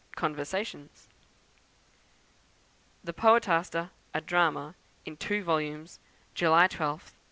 Conversations. The Poetaster, a Drama, in 2 volumes, July 12th, 1830.